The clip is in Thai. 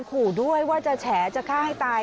ขู่ด้วยว่าจะแฉจะฆ่าให้ตาย